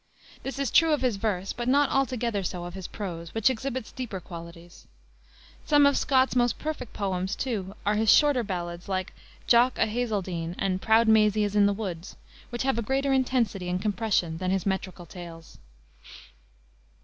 This is true of his verse, but not altogether so of his prose, which exhibits deeper qualities. Some of Scott's most perfect poems, too, are his shorter ballads, like Jock o' Hazeldean, and Proud Maisie is in the Wood, which have a greater intensity and compression than his metrical tales.